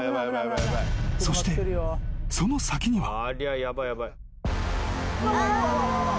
［そしてその先には］